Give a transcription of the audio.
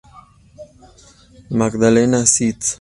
Magdalene St.